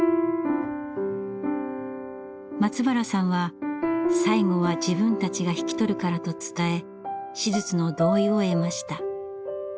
松原さんは最後は自分たちが引き取るからと伝え手術の同意を得ました。